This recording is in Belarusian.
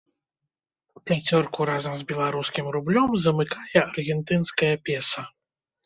Пяцёрку разам з беларускім рублём замыкае аргентынскае песа.